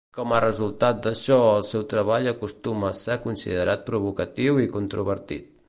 Com a resultat d'això, el seu treball acostuma a ser considerat provocatiu i controvertit.